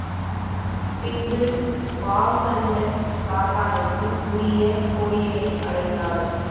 பின்பு பாசண்டச் சாத்தனுக்கு உரிய கோயிலை அடைந்தாள்.